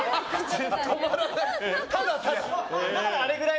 止まらない。